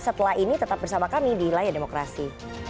setelah ini tetap bersama kami di layar demokrasi